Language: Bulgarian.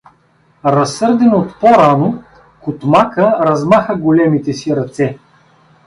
Разсърден от по-рано, Кутмака размаха големите си ръце.